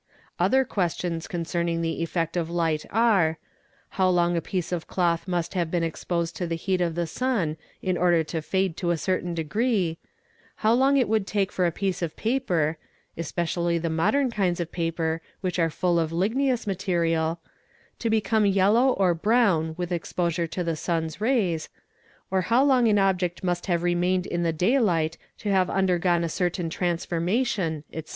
Other questions concerning the effect of hght are: how long a piece:of cloth must have been exposed to the heat of the sun in order to fade to a certain degree; how long would it take for a piece of paper (especially the modern kinds of paper which are full of igneous material) to become yellow or brown with exposure to the sun's rays; or how long an object must have remained in the day light to have undergone a certain transformation, etc.